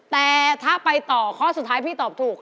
แต่ถ้าไปต่อข้อสุดท้ายพี่ตอบถูก